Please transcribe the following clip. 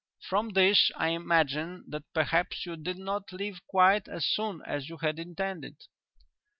From this I imagine that perhaps you did not leave quite as soon as you had intended.